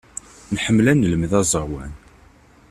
Nḥemmel ad nelmed aẓawan.